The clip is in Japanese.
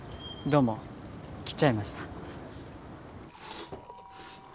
どうも来ちゃいました。